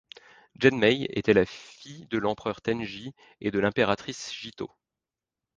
Genmei était la fille de l'empereur Tenji et de l'impératrice Jitō.